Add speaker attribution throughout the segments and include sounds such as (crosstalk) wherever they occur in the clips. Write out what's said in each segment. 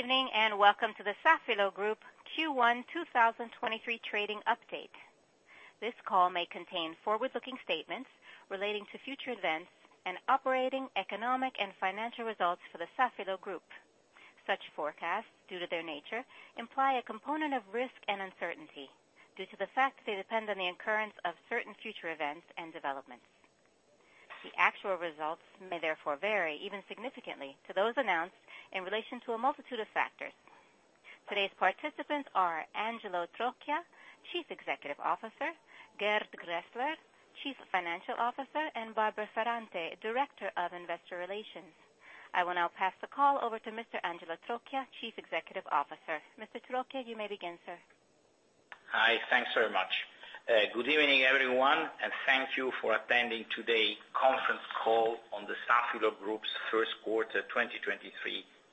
Speaker 1: Good evening and welcome to the Safilo Group Q1 2023 trading update. This call may contain forward-looking statements relating to future events and operating economic and financial results for the Safilo Group. Such forecasts, due to their nature, imply a component of risk and uncertainty due to the fact they depend on the occurrence of certain future events and developments. The actual results may therefore vary, even significantly, to those announced in relation to a multitude of factors. Today's participants are Angelo Trocchia, Chief Executive Officer, Gert Graeser, Chief Financial Officer, and Barbara Ferrante, Director of Investor Relations. I will now pass the call over to Mr. Angelo Trocchia, Chief Executive Officer. Mr. Trocchia, you may begin, sir.
Speaker 2: Hi, thanks very much. Good evening, everyone, thank you for attending today conference call on the Safilo Group's Q1 2023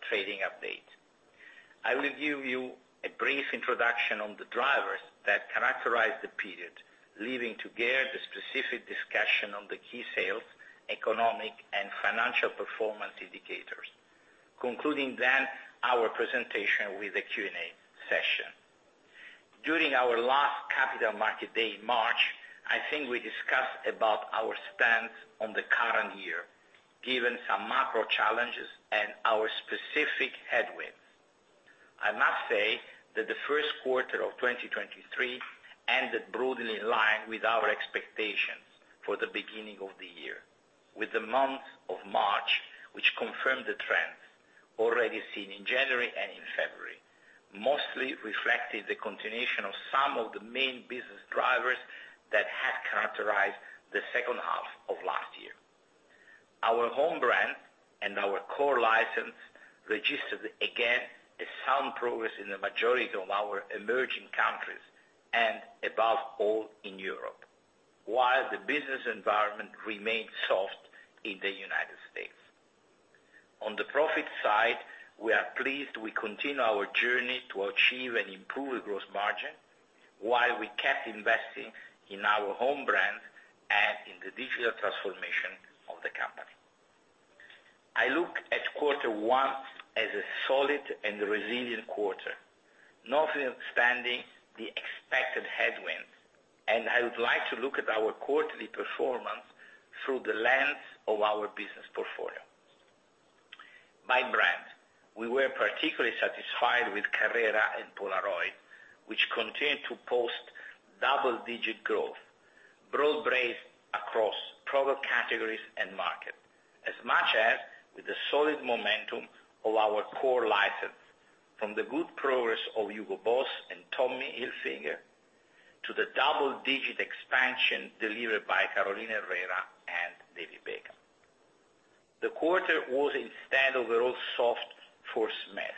Speaker 2: trading update. I will give you a brief introduction on the drivers that characterize the period, leaving to Gert the specific discussion on the key sales, economic, and financial performance indicators, concluding our presentation with a Q&A session. During our last capital market day in March, I think we discussed about our stance on the current year, given some macro challenges and our specific headwinds. I must say that the Q1 of 2023 ended broadly in line with our expectations for the beginning of the year, with the month of March 2023, which confirmed the trend already seen in January 2023 and in February 2023, mostly reflecting the continuation of some of the main business drivers that had characterized the H2 of last year. Our home brand and our core license registered again a sound progress in the majority of our emerging countries, and above all, in Europe, while the business environment remained soft in the U.S. On the profit side, we are pleased we continue our journey to achieve and improve the gross margin while we kept investing in our home brand and in the digital transformation of the company. I look at quarter one as a solid and resilient quarter, notwithstanding the expected headwinds, and I would like to look at our quarterly performance through the lens of our business portfolio. By brand, we were particularly satisfied with Carrera and Polaroid, which continued to post double-digit growth, broad-based across product categories and market, as much as with the solid momentum of our core license, from the good progress of Hugo Boss and Tommy Hilfiger to the double-digit expansion delivered by Carolina Herrera and David Beckham. The quarter was instead overall soft for Smith,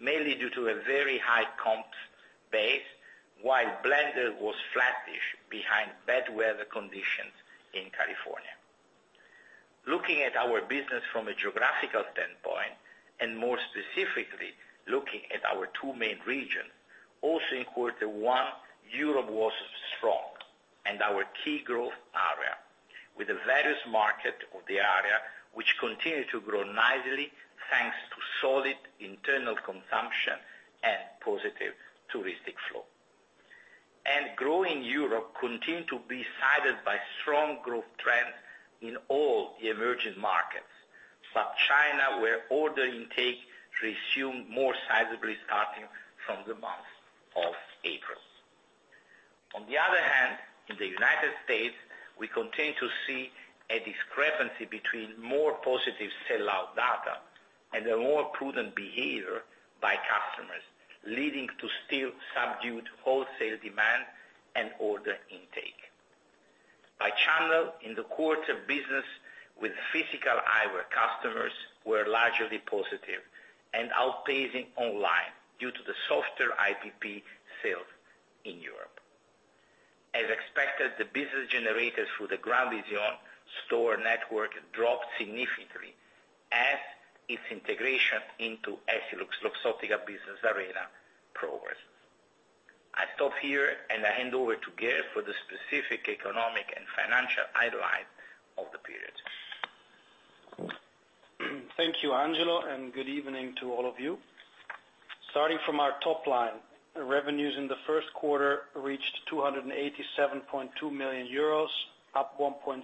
Speaker 2: mainly due to a very high comps base, while Blenders was flattish behind bad weather conditions in California. Looking at our business from a geographical standpoint, and more specifically, looking at our two main region, also in Q1, Europe was strong and our key growth area, with the various market of the area which continued to grow nicely thanks to solid internal consumption and positive touristic flow. Growing Europe continued to be sided by strong growth trend in all the emerging markets, but China, where order intake resumed more sizably starting from the month of April. On the other hand, in the United States, we continue to see a discrepancy between more positive sell-out data and a more prudent behavior by customers, leading to still subdued wholesale demand and order intake. By channel, in the quarter business with physical eyewear customers were largely positive and outpacing online due to the softer IPP sales in Europe. As expected, the business generated through the GrandVision store network dropped significantly as its integration into EssilorLuxottica business arena progresses. I stop here and I hand over to Gert for the specific economic and financial highlight of the period.
Speaker 3: Thank you, Angelo, and good evening to all of you. Starting from our top line, revenues in the Q1 reached 287.2 million euros, up 1.6%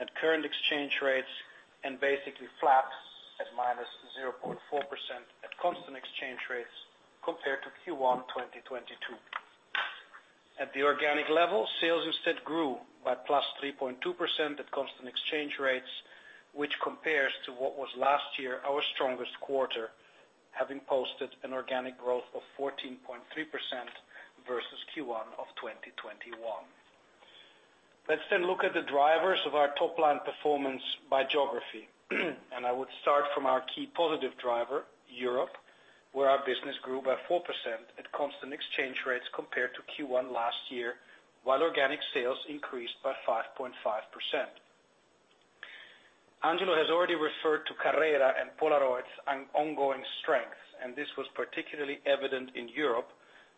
Speaker 3: at current exchange rates and basically flat at -0.4% at constant exchange rates compared to Q1 2022. At the organic level, sales instead grew by +3.2% at constant exchange rates, which compares to what was last year our strongest quarter, having posted an organic growth of 14.3% versus Q1 2021. Let's look at the drivers of our top-line performance by geography, I would start from our key positive driver, Europe, where our business grew by 4% at constant exchange rates compared to Q1 last year, while organic sales increased by 5.5%. Angelo has already referred to Carrera and Polaroid's ongoing strength, and this was particularly evident in Europe,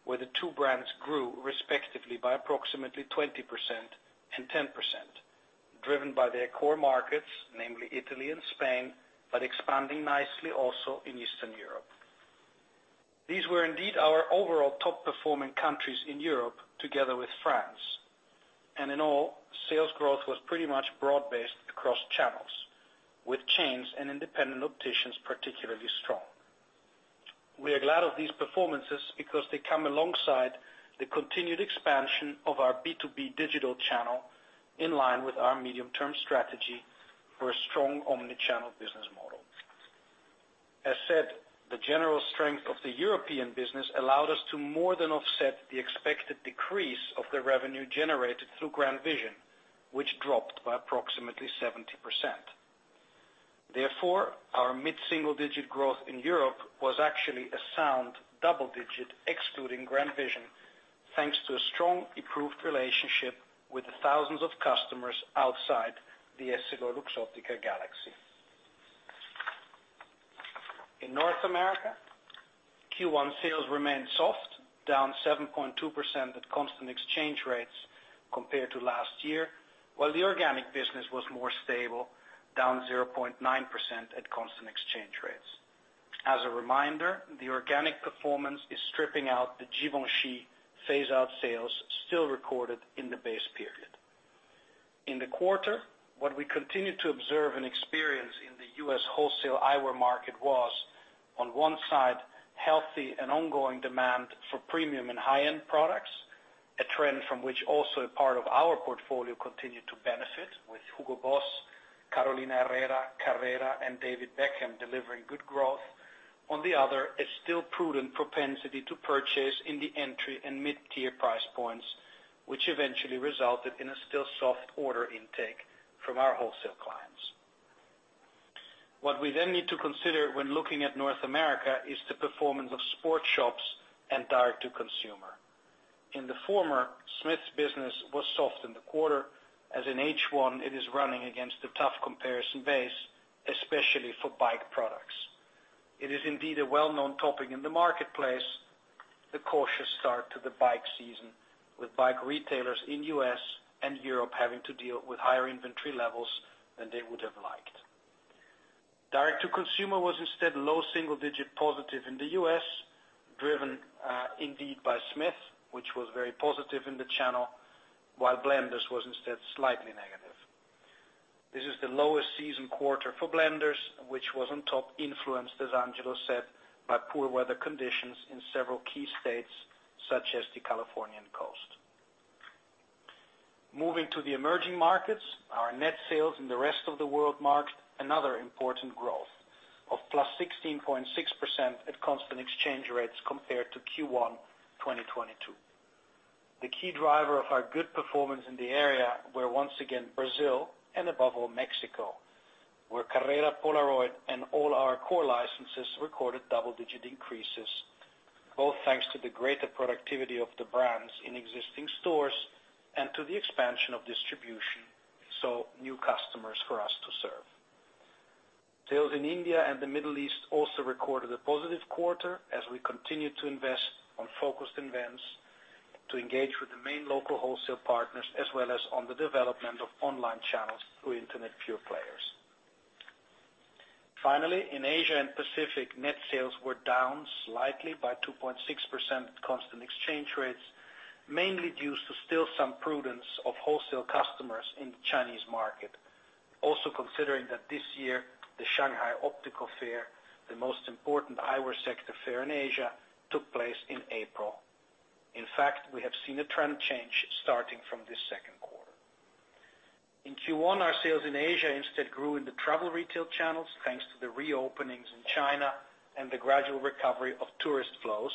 Speaker 3: where the two brands grew respectively by approximately 20% and 10%. Driven by their core markets, namely Italy and Spain, but expanding nicely also in Eastern Europe. These were indeed our overall top performing countries in Europe, together with France. In all, sales growth was pretty much broad-based across channels, with chains and independent opticians particularly strong. We are glad of these performances because they come alongside the continued expansion of our B2B digital channel, in line with our medium-term strategy for a strong omni-channel business model. As said, the general strength of the European business allowed us to more than offset the expected decrease of the revenue generated through GrandVision, which dropped by approximately 70%. Therefore, our mid-single digit growth in Europe was actually a sound double digit, excluding GrandVision, thanks to a strong, improved relationship with the thousands of customers outside the EssilorLuxottica galaxy. In North America, Q1 sales remained soft, down 7.2% at constant exchange rates compared to last year, while the organic business was more stable, down 0.9% at constant exchange rates. As a reminder, the organic performance is stripping out the Givenchy phase-out sales still recorded in the base period. In the quarter, what we continued to observe and experience in the U.S. wholesale eyewear market was, on one side, healthy and ongoing demand for premium and high-end products, a trend from which also a part of our portfolio continued to benefit with Hugo Boss, Carolina Herrera, Carrera, and David Beckham delivering good growth. On the other, a still prudent propensity to purchase in the entry and mid-tier price points, which eventually resulted in a still soft order intake from our wholesale clients. We then need to consider when looking at North America is the performance of sport shops and direct-to-consumer. In the former, Smith's business was soft in the quarter, as in H1, it is running against a tough comparison base, especially for bike products. It is indeed a well-known topic in the marketplace, the cautious start to the bike season, with bike retailers in U.S. and Europe having to deal with higher inventory levels than they would have liked. Direct-to-consumer was instead low single digit positive in the U.S., driven indeed by Smith, which was very positive in the channel, while Blenders was instead slightly negative. This is the lowest season quarter for Blenders, which was on top influenced, as Angelo said, by poor weather conditions in several key states, such as the Californian coast. Moving to the emerging markets, our net sales in the rest of the world marked another important growth of +16.6% at constant exchange rates compared to Q1 2022. The key driver of our good performance in the area were once again Brazil and above all Mexico, where Carrera, Polaroid, and all our core licenses recorded double-digit increases, both thanks to the greater productivity of the brands in existing stores and to the expansion of distribution, so new customers for us to serve. Sales in India and the Middle East also recorded a positive quarter as we continued to invest on focused events to engage with the main local wholesale partners, as well as on the development of online channels through Internet Pure Players. Finally, in Asia and Pacific, net sales were down slightly by 2.6% constant exchange rates, mainly due to still some prudence of wholesale customers in the Chinese market. Also considering that this year, the Shanghai Optical Fair, the most important eyewear sector fair in Asia, took place in April. In fact, we have seen a trend change starting from this Q2. In Q1, our sales in Asia instead grew in the travel retail channels, thanks to the reopenings in China and the gradual recovery of tourist flows,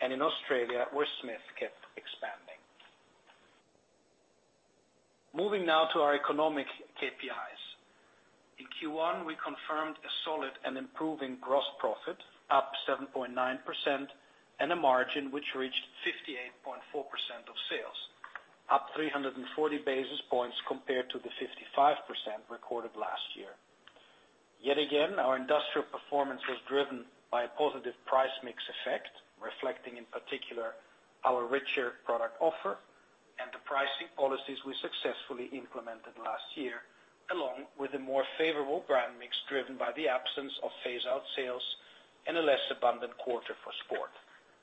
Speaker 3: and in Australia, where Smith kept expanding. Moving now to our economic KPIs. In Q1, we confirmed a solid and improving gross profit, up 7.9%, a margin which reached 58.4% of sales, up 340 basis points compared to the 55% recorded last year. Yet again, our industrial performance was driven by a positive price mix effect, reflecting in particular our richer product offer and the pricing policies we successfully implemented last year, along with a more favorable brand mix driven by the absence of phase-out sales and a less abundant quarter for sport,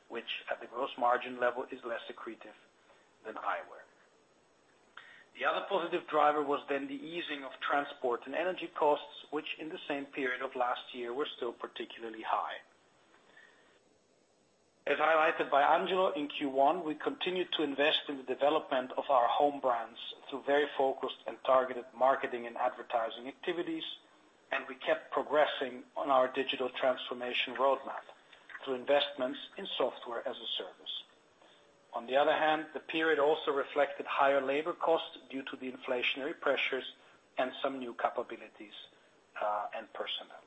Speaker 3: which at the gross margin level is less accretive than eyewear. The other positive driver was the easing of transport and energy costs, which in the same period of last year were still particularly high. As highlighted by Angelo, in Q1, we continued to invest in the development of our home brands through very focused and targeted marketing and advertising activities, and we kept progressing on our digital transformation roadmap through investments in software as a service. On the other hand, the period also reflected higher labor costs due to the inflationary pressures and some new capabilities and personnel.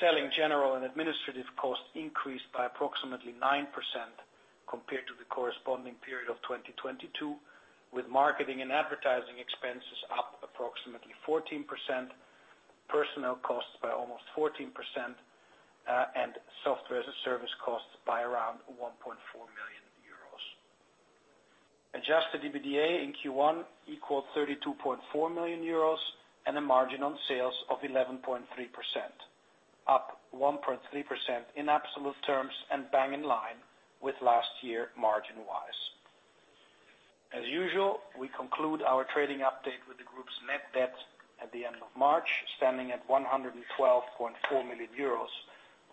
Speaker 3: Selling general and administrative costs increased by approximately 9% compared to the corresponding period of 2022, with marketing and advertising expenses up approximately 14%. Personnel costs by almost 14%, and software as a service costs by around 1.4 million euros. Adjusted EBITDA in Q1 equaled 32.4 million euros and a margin on sales of 11.3%, up 1.3% in absolute terms and bang in line with last year margin-wise. As usual, we conclude our trading update with the group's net debt at the end of March, standing at 112.4 million euros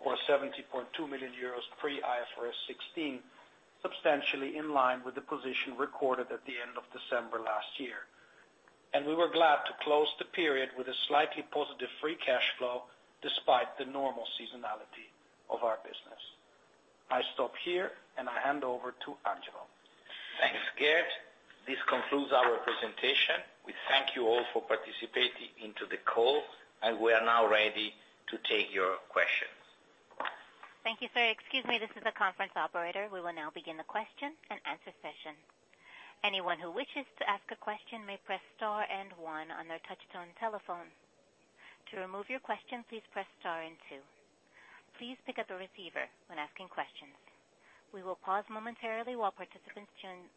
Speaker 3: or 70.2 million euros pre-IFRS 16, substantially in line with the position recorded at the end of December last year. We were glad to close the period with a slightly positive free cash flow despite the normal seasonality of our business. I stop here and I hand over to Angelo.
Speaker 2: Thanks, Gert. This concludes our presentation. We thank you all for participating into the call. We are now ready to take your questions.
Speaker 1: Thank you, sir. Excuse me, this is the conference operator. We will now begin the Q&A session. Anyone who wishes to ask a question may press star and one on their touchtone telephone. To remove your question, please press star and two. Please pick up the receiver when asking questions. We will pause momentarily while participants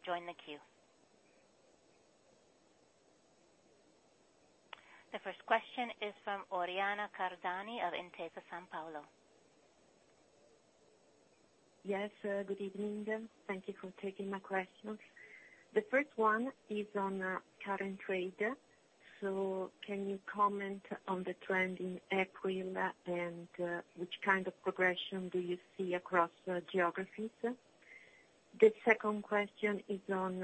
Speaker 1: join the queue. The first question is from Oriana Cardani of Intesa Sanpaolo.
Speaker 4: Yes, good evening. Thank you for taking my questions. The first one is on current trade. Can you comment on the trend in April 2023 and which kind of progression do you see across geographies? The second question is on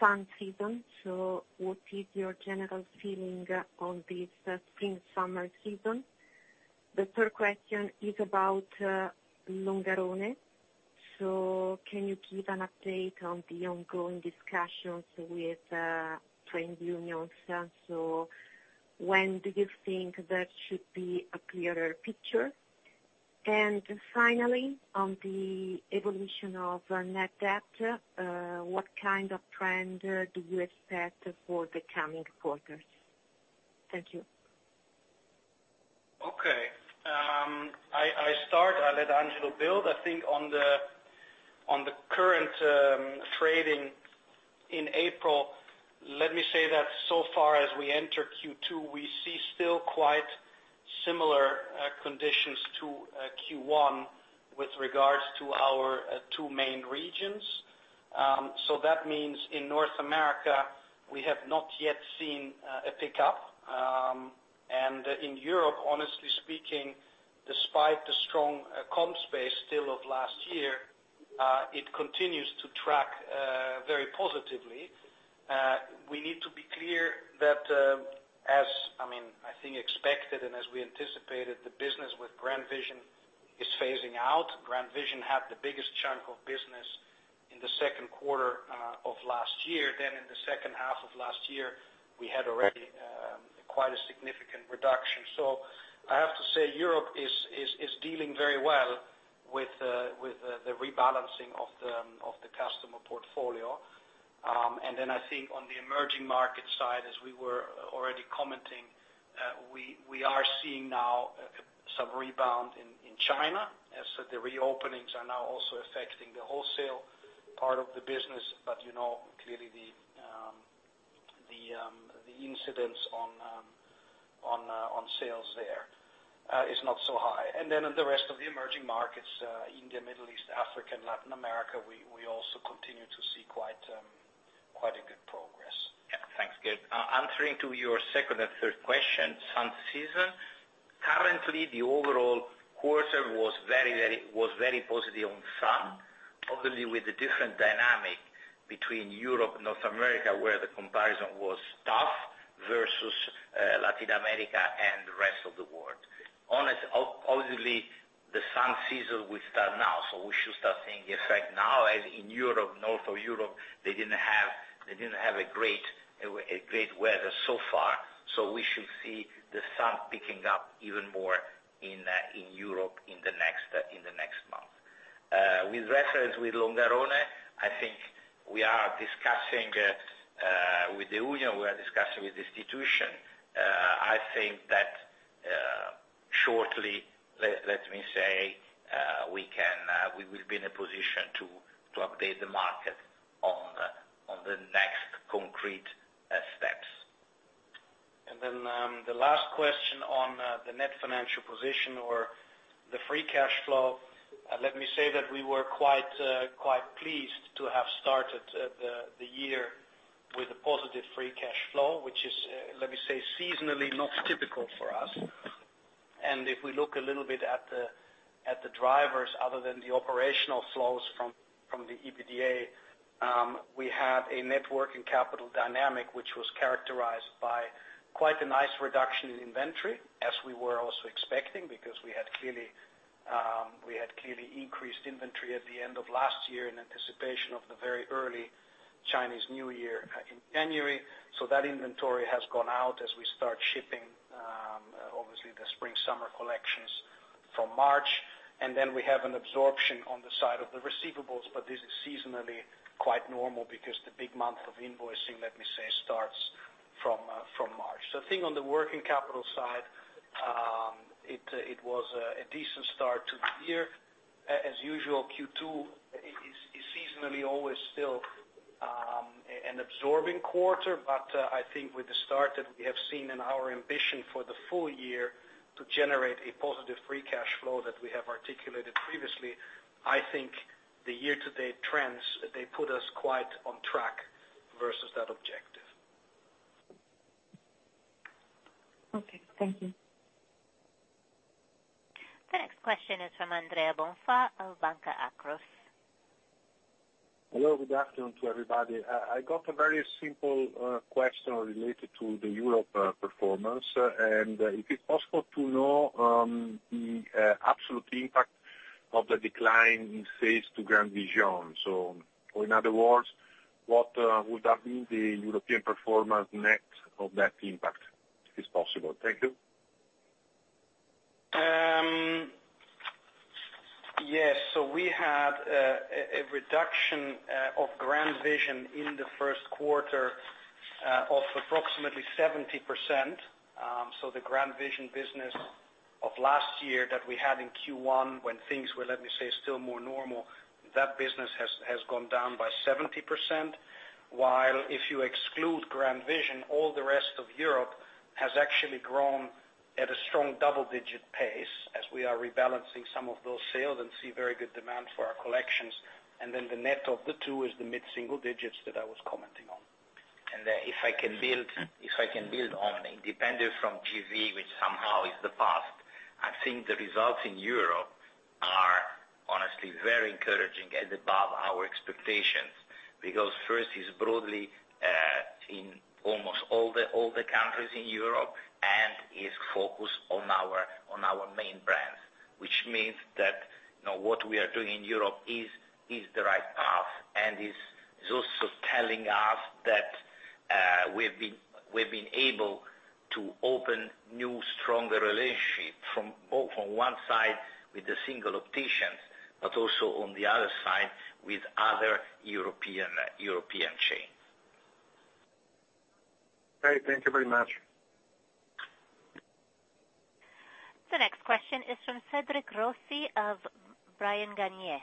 Speaker 4: sun season. What is your general feeling on this spring, summer season? The third question is about Longarone. Can you give an update on the ongoing discussions with trade unions? When do you think there should be a clearer picture? Finally, on the evolution of net debt, what kind of trend do you expect for the coming quarters? Thank you.
Speaker 3: Okay. I start, I let Angelo build, I think on the current trading in April 2023. Let me say that so far as we enter Q2, we see still quite similar conditions to Q1 with regards to our two main regions. That means in North America, we have not yet seen a pickup. In Europe, honestly speaking, despite the strong comm space still of last year, it continues to track very positively. We need to be clear that as I mean I think expected and as we anticipated, the business with GrandVision is phasing out. GrandVision had the biggest chunk of business in the Q2 of last year. In the H2 of last year, we had already quite a significant reduction. I have to say Europe is dealing very well with the rebalancing of the customer portfolio. I think on the emerging market side, as we were already commenting, we are seeing now some rebound in China as the reopenings are now also affecting the wholesale part of the business. You know, clearly the incidents on sales there is not so high. In the rest of the emerging markets, India, Middle East, Africa, and Latin America, we also continue to see quite a good progress.
Speaker 2: Yeah. Thanks, Gert. Answering to your second and third question, sun season. Currently, the overall quarter was very positive on sun. Obviously, with the different dynamic between Europe and North America, where the comparison was tough versus Latin America and the rest of the world. Obviously, the sun season will start now, so we should start seeing the effect now, as in Europe, North of Europe, they didn't have a great weather so far. We should see the sun picking up even more in Europe in the next month. With reference with Longarone, I think we are discussing with the union, we are discussing with the institution. I think that, shortly, let me say, we can, we will be in a position to update the market on the next concrete steps.
Speaker 3: The last question on the net financial position or the free cash flow. Let me say that we were quite pleased to have started the year with a positive free cash flow, which is, let me say, seasonally not typical for us. If we look a little bit at the drivers other than the operational flows from the EBITDA, we had a network and capital dynamic, which was characterized by quite a nice reduction in inventory as we were also expecting, because we had clearly increased inventory at the end of last year in anticipation of the very early Chinese New Year in January. That inventory has gone out as we start shipping, obviously summer collections from March, and then we have an absorption on the side of the receivables, but this is seasonally quite normal because the big month of invoicing, let me say, starts from March. I think on the working capital side, it was a decent start to the year. As usual, Q2 is seasonally always still an absorbing quarter, but I think with the start that we have seen and our ambition for the full year to generate a positive free cash flow that we have articulated previously, I think the year-to-date trends, they put us quite on track versus that objective.
Speaker 5: Okay. Thank you.
Speaker 1: The next question is from Andrea Bonfà of Banca Akros.
Speaker 6: Hello, good afternoon to everybody. I got a very simple question related to the Europe performance. If it's possible to know, the absolute impact of the decline in sales to GrandVision. Or in other words, what would have been the European performance net of that impact, if possible? Thank you.
Speaker 3: Yes. We had a reduction of GrandVision in the Q1 of approximately 70%. The GrandVision business of last year that we had in Q1, when things were, let me say, still more normal, that business has gone down by 70%. While if you exclude GrandVision, all the rest of Europe has actually grown at a strong double-digit pace as we are rebalancing some of those sales and see very good demand for our collections. The net of the two is the mid-single digits that I was commenting on.
Speaker 2: If I can build on, independent from GV, which somehow is the past, I think the results in Europe are honestly very encouraging and above our expectations. First, it's broadly in almost all the countries in Europe, and is focused on our main brands. Which means that, you know, what we are doing in Europe is the right path, and it's also telling us that we've been able to open new, stronger relationships from both, on one side with the single opticians, but also on the other side with other European chains.
Speaker 6: All right. Thank you very much.
Speaker 1: The next question is from Cedric Rossi of Bryan Garnier.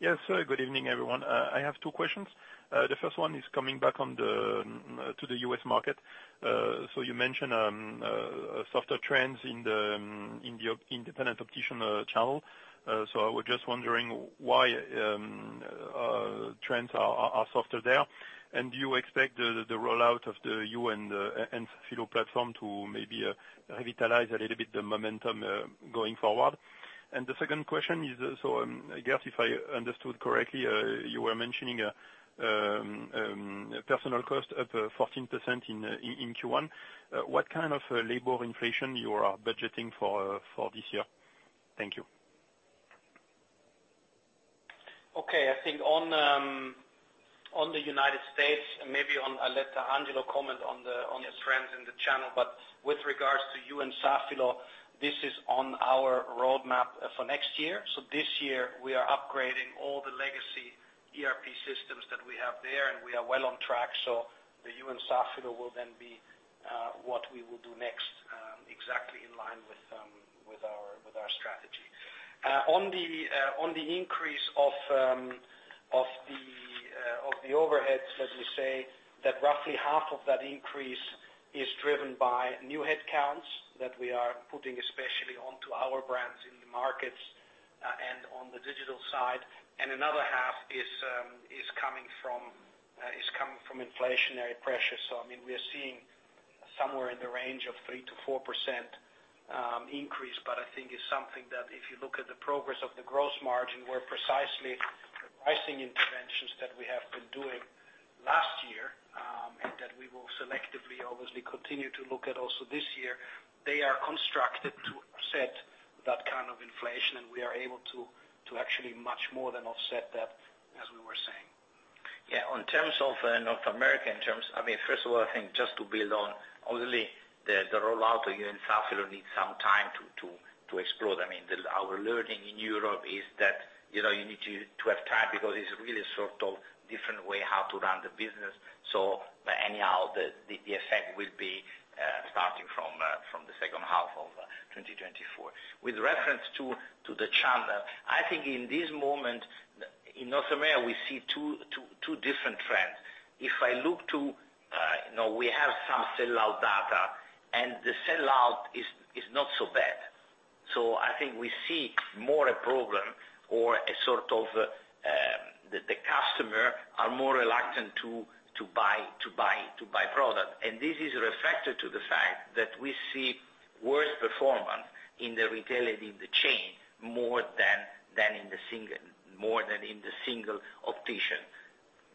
Speaker 7: Yes. Good evening, everyone. I have two questions. The first one is coming back on the to the U.S. market. You mentioned softer trends in the independent optician channel. I was just wondering why trends are softer there. Do you expect the rollout of the You&Safilo platform to maybe revitalize a little bit the momentum going forward? The second question is, I guess if I understood correctly, you were mentioning personal cost up 14% in Q1. What kind of labor inflation you are budgeting for this year? Thank you.
Speaker 3: Okay. I think on the United States, and maybe on, I'll let Angelo comment on the trends in the channel, but with regards to You&Safilo, this is on our roadmap for next year. This year we are upgrading all the legacy ERP systems that we have there, and we are well on track. The You&Safilo will then be what we will do next, exactly in line with our strategy. On the increase of the overheads, let me say that roughly half of that increase is driven by new headcounts that we are putting, especially onto our brands in the markets, and on the digital side. Another half is coming from inflationary pressures. I mean, we are seeing somewhere in the range of 3%-4% increase, but I think it's something that if you look at the progress of the gross margin, where precisely the pricing interventions that we have been doing last year, and that we will selectively obviously continue to look at also this year, they are constructed to offset that kind of inflation, and we are able to actually much more than offset that, as we were saying.
Speaker 2: Yeah. In terms of North America, I mean, first of all, I think just to build on, obviously the rollout of You&Safilo needs some time to explore. I mean, our learning in Europe is that, you know, you need to have time because it's really sort of different way how to run the business. Anyhow, the effect will be starting from the H2 of 2024. With reference to the channel, I think in this moment, in North America, we see two different trends. If I look to, you know, we have some sell-out data, the sell-out is not so bad. I think we see more a problem or a sort of, the customer are more reluctant to buy product. This is reflected to the fact that we see worse performance in the retail and in the chain more than in the single optician.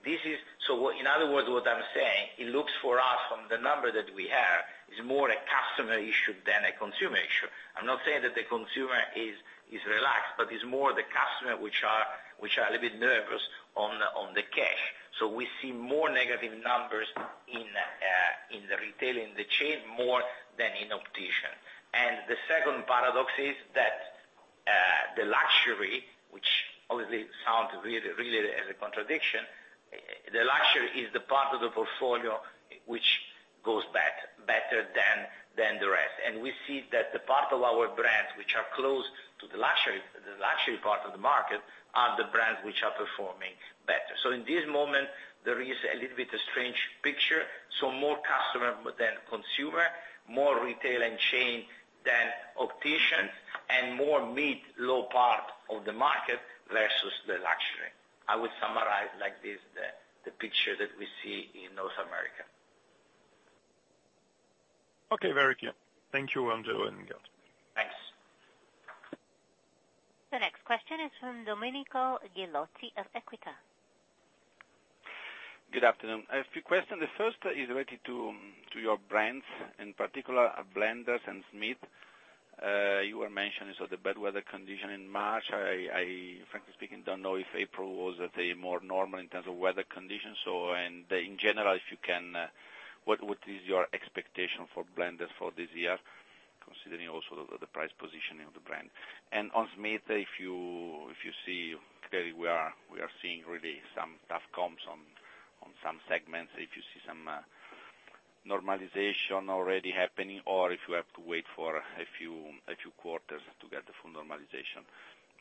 Speaker 2: In other words, what I'm saying, it looks for us from the number that we have, is more a customer issue than I consume issue. I'm not saying that the consumer is relaxed, but it's more the customer which are a little bit nervous on the cash. We see more negative numbers in the retail, in the chain more than in optician. The second paradox is that the luxury, which obviously sounds really as a contradiction, the luxury is the part of the portfolio which goes better than the rest. We see that the part of our brands which are close to the luxury, the luxury part of the market, are the brands which are performing better. In this moment, there is a little bit of strange picture. More customer than consumer, more retail and chain than optician, and more mid, low part of the market versus the luxury. I would summarize like this, the picture that we see in North America.
Speaker 7: Okay, very clear. Thank you, Angelo and Gert.
Speaker 2: Thanks.
Speaker 1: The next question is from Domenico Ghilotti of Equita.
Speaker 8: Good afternoon. I have two question. The first is related to your brands, in particular, Blenders and Smith. You were mentioning the bad weather condition in March 2023. I frankly speaking, don't know if April 2023 was at a more normal in terms of weather conditions. In general, if you can, what is your expectation for Blenders for this year, considering also the price positioning of the brand? On Smith, if you see clearly we are seeing really some tough comps on some segments. If you see some normalization already happening, or if you have to wait for a few quarters to get the full normalization.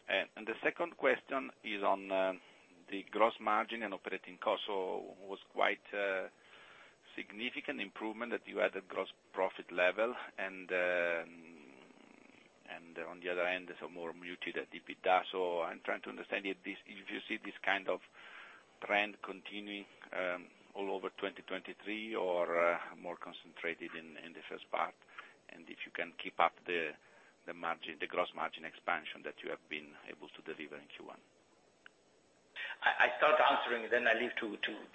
Speaker 8: The second question is on the gross margin and operating cost. Was quite significant improvement that you had at gross profit level. On the other end, it's a more muted EBITDA. I'm trying to understand if this, if you see this kind of trend continuing all over 2023 or more concentrated in the first part, and if you can keep up the margin, the gross margin expansion that you have been able to deliver in Q1.
Speaker 2: I start answering, then I leave to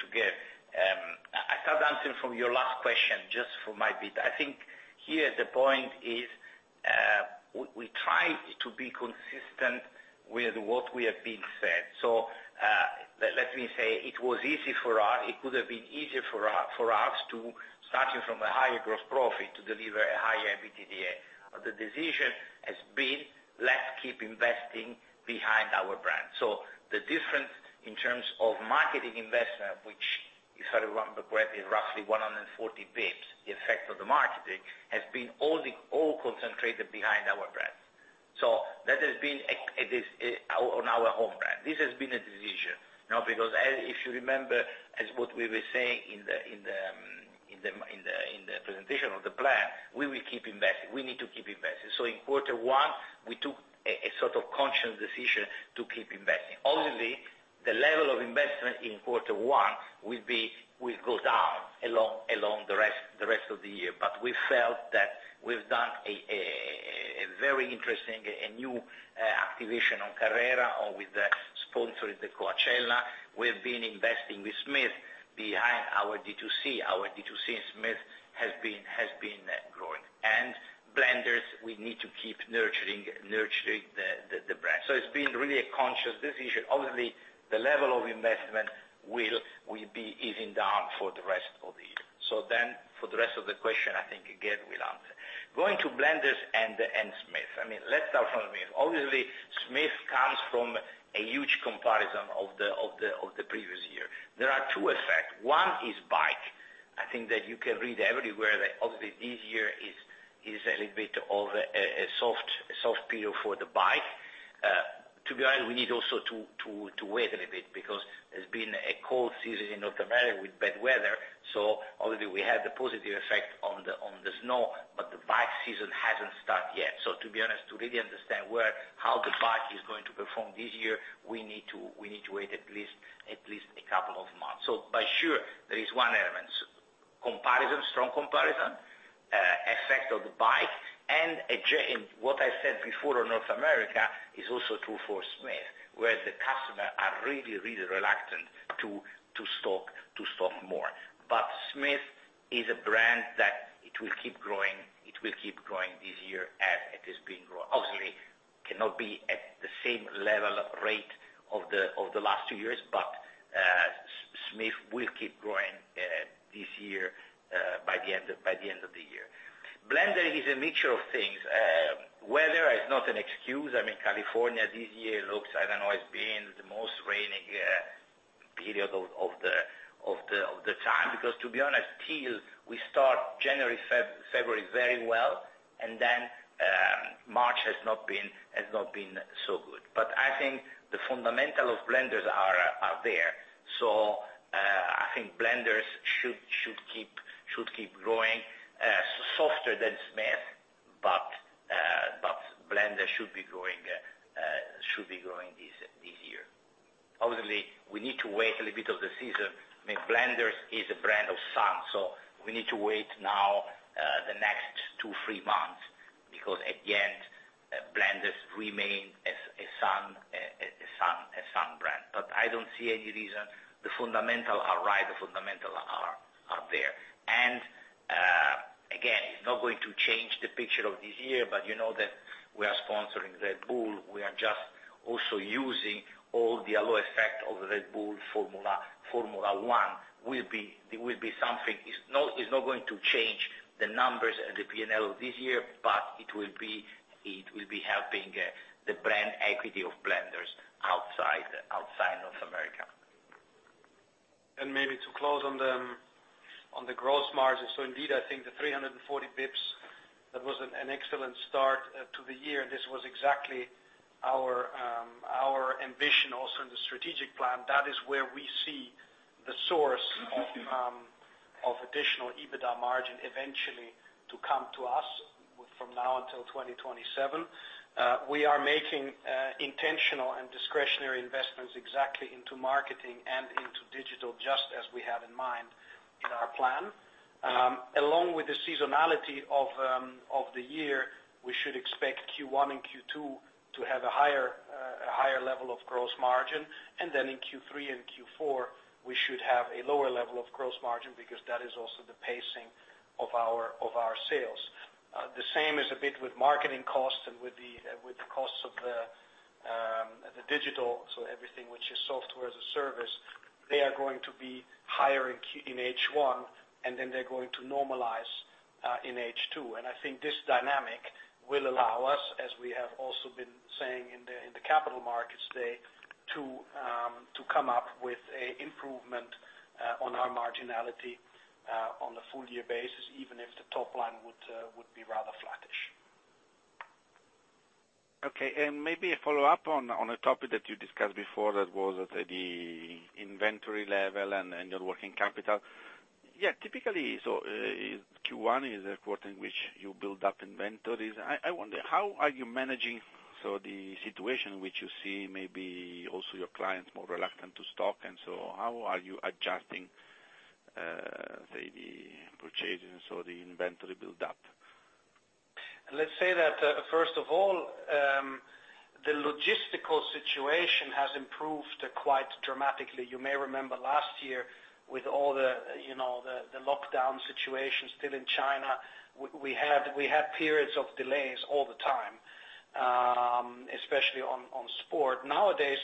Speaker 2: Gert. I start answering from your last question, just for my bit. I think here the point is, we try to be consistent with what we have been said. Let me say, it was easy for us. It could have been easier for us to starting from a higher gross profit to deliver a higher EBITDA. The decision has been, let's keep investing behind our brand. The difference in terms of marketing investment, which you sort of run the graph is roughly 140 basis points, the effect of the marketing has been all concentrated behind our brand. That has been at this on our own brand. This has been a decision, you know, because as if you remember, as what we were saying in the presentation of the plan, we will keep investing. We need to keep investing. In quarter one, we took a sort of conscious decision to keep investing. Obviously, the level of investment in quarter one will go down along the rest of the year. We felt that we've done a very interesting and new activation on Carrera or with the sponsoring the Coachella. We've been investing with Smith behind our D2C. Our D2C in Smith has been growing. Blenders, we need to keep nurturing the brand. It's been really a conscious decision. Obviously, the level of investment will be evened down for the rest of the year. For the rest of the question, I think Gert will answer. Going to Blenders and Smith, I mean, let's start from Smith. Obviously, Smith comes from a huge comparison of the previous year. There are two effects. One is bike. I think that you can read everywhere that obviously this year is a little bit of a soft period for the bike. To be honest, we need also to wait a little bit because there's been a cold season in North America with bad weather. Obviously we had the positive effect on the snow, but the bike season hasn't started yet. To be honest, to really understand where, how the bike is going to perform this year, we need to wait at least a couple of months. But sure, there is one element. Comparison, strong comparison, effect of the bike, and what I said before on North America is also true for Smith, where the customer are really, really reluctant to stock more. Smith is a brand that it will keep growing this year as it has been growing. Obviously, cannot be at the same level rate of the last two years, but Smith will keep growing this year by the end of the year. Blenders is a mixture of things. Weather is not an excuse. I mean, California this year looks, I don't know, it's been the most rainy period of the time. To be honest, till we start January, February very well, March has not been so good. I think the fundamental of Blenders are there. I think Blenders should keep growing, softer than Smith, Blenders should be growing this year. Obviously, we need to wait a little bit of the season. I mean, Blenders is a brand of sun, we need to wait now, the next two, three months, at the end Blenders remain a sun brand. I don't see any reason. The fundamental are right, the fundamental are there. Again, it's not going to change the picture of this year, but you know that we are sponsoring Red Bull. We are just also using all the halo effect of Red Bull Formula 1. It will be something. It's not going to change the numbers and the P&L this year, but it will be helping the brand equity of Blenders outside North America.
Speaker 3: Maybe to close on the, on the gross margin. Indeed, I think the 340 basis points, that was an excellent start to the year. This was exactly our ambition also in the strategic plan. That is where we see the source of additional EBITDA margin eventually to come to us from now until 2027. We are making intentional and discretionary investments exactly into marketing and into digital, just as we have in mind in our plan. Along with the seasonality of the year, we should expect Q1 and Q2 to have a higher level of gross margin. Then in Q3 and Q4, we should have a lower level of gross margin because that is also the pacing of our, of our sales. The same is a bit with marketing costs and with the costs of the digital, so everything which is software as a service. They are going to be higher in H1, and then they're going to normalize in H2. I think this dynamic will allow us, as we have also been saying in the capital markets day, to come up with a improvement on our marginality on the full year basis, even if the top line would be rather flattish.
Speaker 8: Okay, maybe a follow-up on a topic that you discussed before that was at the inventory level and your working capital. Typically, Q1 is a quarter in which you build up inventories. I wonder, how are you managing the situation which you see maybe also your clients more reluctant to stock, how are you adjusting, say, the purchasing, the inventory build up?
Speaker 3: Let's say that, first of all, the logistical situation has improved quite dramatically. You may remember last year with all the, you know, the lockdown situation still in China, we had periods of delays all the time, especially on sport. Nowadays,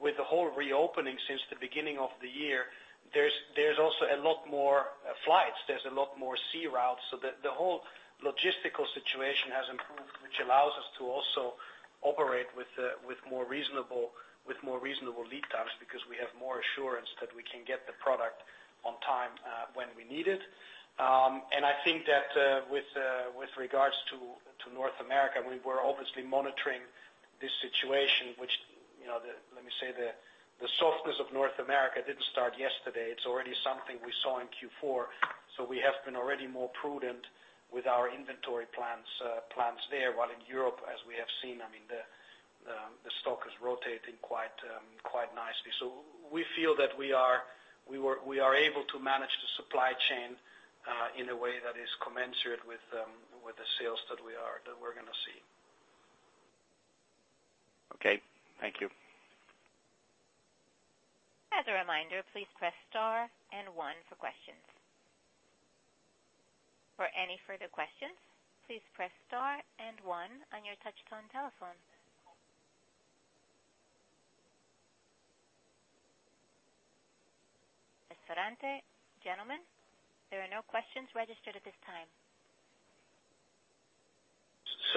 Speaker 3: with the whole reopening since the beginning of the year, there's also a lot more flights, there's a lot more sea routes. The whole logistical situation has improved, which allows us to also operate with more reasonable lead times because we have more assurance that we can get the product on time, when we need it. I think that, with regards to North America, we're obviously monitoring this situation, which, you know, the, let me say the softness of North America didn't start yesterday. It's already something we saw in Q4. We have been already more prudent with our inventory plans there. While in Europe, as we have seen, I mean, the stock is rotating quite nicely. We feel that we are able to manage the supply chain in a way that is commensurate with the sales that we are, that we're gonna see.
Speaker 8: Okay. Thank you.
Speaker 1: As a reminder, please press star and one for questions. For any further questions, please press star and one on your touchtone telephone. Ferrante, gentlemen, there are no questions registered at this time.
Speaker 3: (crosstalk)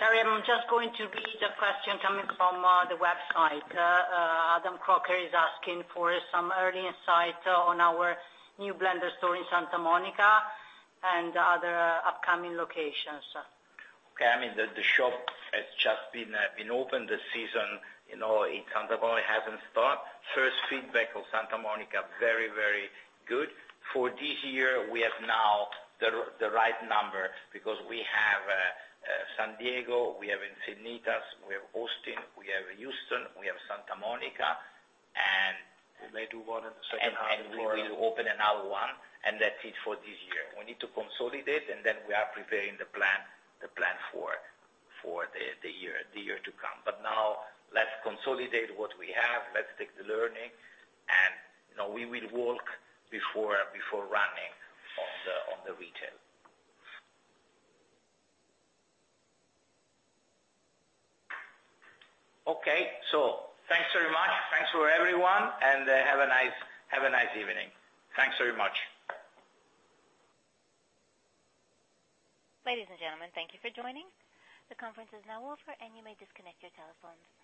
Speaker 5: Sorry, I'm just going to read a question coming from the website. Adam Crocker is asking for some early insight on our new Blenders store in Santa Monica and other upcoming locations.
Speaker 2: Okay. I mean, the shop has just been opened this season. You know, in Santa Monica, it hasn't start. First feedback of Santa Monica, very good. For this year, we have now the right number because we have San Diego, we haveEncinitas, we have Austin, we have Houston, we have Santa Monica.
Speaker 3: We may do one in the [second half] of the world.
Speaker 2: And we will open another one, and that's it for this year. We need to consolidate, we are preparing the plan for the year to come. Now let's consolidate what we have. Let's take the learning and, you know, we will walk before running on the retail. Okay. Thanks very much. Thanks for everyone, have a nice evening. Thanks very much.
Speaker 1: Ladies and gentlemen, thank you for joining. The conference is now over, and you may disconnect your telephones.